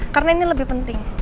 karena ini lebih penting